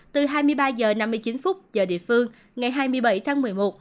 từ hai mươi ba h năm mươi chín giờ địa phương ngày hai mươi bảy tháng một mươi một